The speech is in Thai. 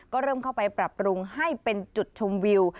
ก็เริ่มเข้าไปปรับปรุงให้เป็นจุดชมวิว